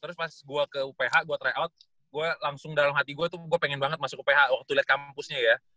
terus pas gue ke uph gue tryout gue langsung dalam hati gue tuh gue pengen banget masuk uph waktu lihat kampusnya ya